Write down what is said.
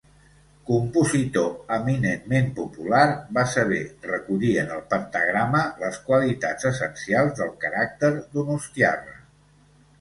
Compositor eminentment popular, va saber recollir en el pentagrama les qualitats essencials del caràcter donostiarra.